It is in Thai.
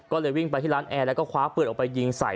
ก็เลยวิ่งไปที่ร้านแอร์แล้วก็คว้าปืนออกไปยิงใส่